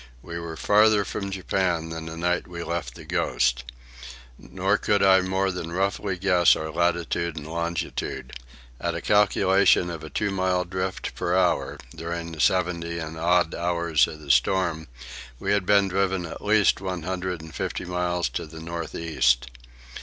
We were farther from Japan than the night we left the Ghost. Nor could I more than roughly guess our latitude and longitude. At a calculation of a two mile drift per hour, during the seventy and odd hours of the storm, we had been driven at least one hundred and fifty miles to the north east.